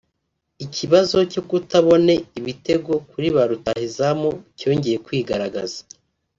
Ikibazo cyo kutabone ibitego kuri ba rutahizamu cyongeye kwigaragaza